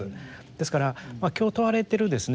ですから今日問われているですね